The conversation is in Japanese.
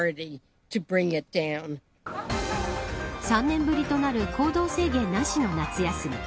３年ぶりとなる行動制限なしの夏休み。